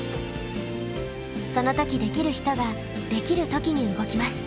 その時できる人ができる時に動きます。